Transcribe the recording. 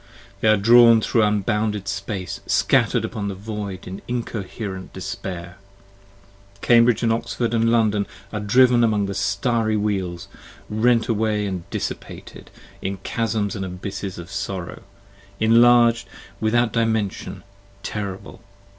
they are drawn thro' unbounded space, scatter'd upon The Void in incoher(er)ent despair! Cambridge & Oxford & London, Are driven among the starry Wheels, rent away and dissipated, 5 In Chasms & Abysses of sorrow, enlarg'd without dimension, terrible.